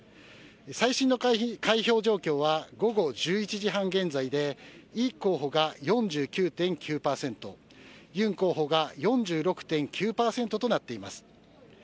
最新の開票状況は午後１１時半現在で李候補が４９．９％尹候補が４６．９％となっています。